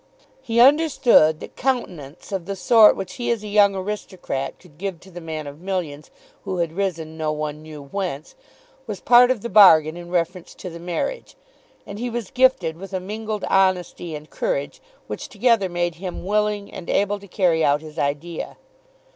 He had understood that countenance of the sort which he as a young aristocrat could give to the man of millions who had risen no one knew whence, was part of the bargain in reference to the marriage, and he was gifted with a mingled honesty and courage which together made him willing and able to carry out his idea.